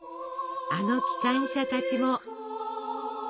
あの機関車たちも！